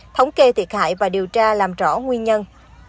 thống kê thiệt hại và điều tra làm rõ nguyên nhân